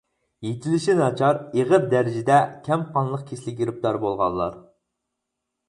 يېتىلىشى ناچار، ئېغىر دەرىجىدە كەم قانلىق كېسىلىگە گىرىپتار بولغانلار.